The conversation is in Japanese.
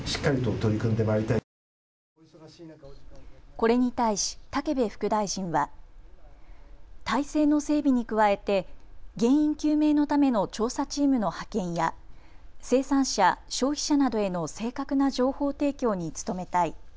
これに対し武部副大臣は、体制の整備に加えて原因究明のための調査チームの派遣や生産者、消費者などへの正確な情報提供に努めたい。